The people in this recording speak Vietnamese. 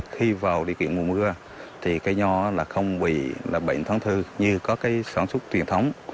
khi vào điều kiện mùa mưa thì cây nho không bị bệnh tháng thư như có sản xuất truyền thống